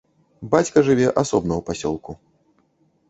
Бацька жыве асобна ў пасёлку.